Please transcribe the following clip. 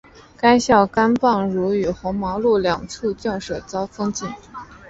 该校甘榜汝和红毛路两处校舍遭封禁。